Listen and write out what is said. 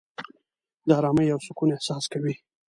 د آرامۍ او سکون احساس کوې.